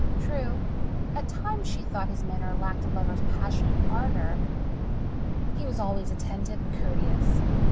True, at times she thought his manner lacked a lover's passionate ardour. He was always attentive and courteous.